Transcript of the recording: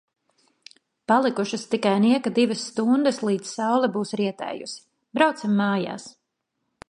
Palikušas tikai nieka divas stundas līdz saule būs rietējusi. Braucam mājās.